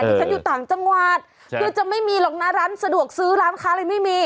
ฉันอยู่ต่างจังหวัดคือจะไม่มีหรอกนะร้านสะดวกซื้อร้านค้าอะไรไม่มี